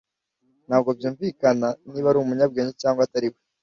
Ntabwo byumvikana niba ari umunyabwenge cyangwa atari we.